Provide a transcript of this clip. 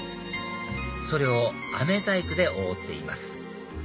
それをアメ細工で覆っています